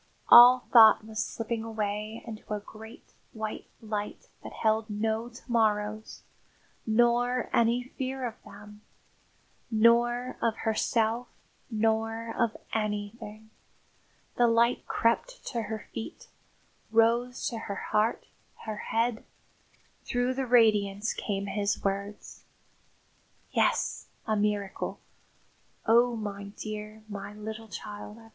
All thought was slipping away into a great white light that held no to morrows, nor any fear of them, nor of herself, nor of anything. The light crept to her feet, rose to her heart, her head. Through the radiance came his words. "Yes, a miracle. Oh, my dear my little child!